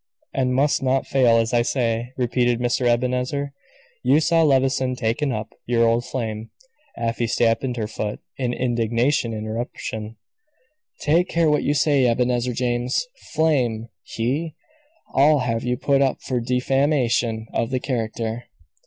"And must not fail, as I say," repeated Mr. Ebenezer. "You saw Levison taken up your old flame " Afy stamped her foot in indignant interruption. "Take care what you say, Ebenezer James! Flame! He? I'll have you put up for defamation of character."